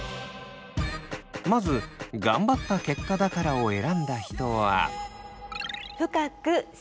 まず「がんばった結果だから」を選んだ人は。